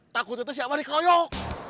takutnya teh siapa dikoyok